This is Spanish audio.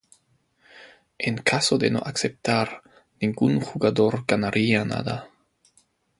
En caso de no aceptar, ningún jugador ganaría nada.